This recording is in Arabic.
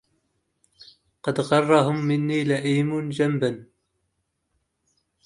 قد غرهم مني لئيم جنبا